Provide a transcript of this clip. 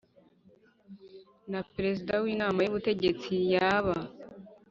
na Perezida w Inama y Ubutegetsi yaba